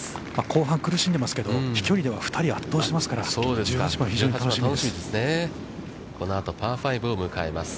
◆後半苦しんでますけど、飛距離では２人を圧倒してますから、１８番、非常に楽しみです。